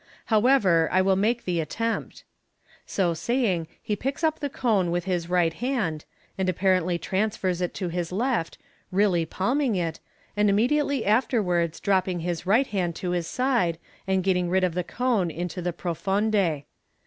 However, I will make the attempt." So saying, he picks up the cone with his right hand, and apparently transfers it to his left, really palming it, and immediately afterwards dropping his right hand to his side, and getting rid of the cone into the profonde.